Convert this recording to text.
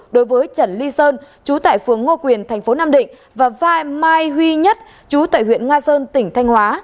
đối với trần ly sơn trú tại phường ngô quyền thành phố nam định và vai mai huy nhất chú tại huyện nga sơn tỉnh thanh hóa